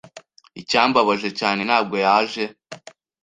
Icyambabaje cyane, ntabwo yaje.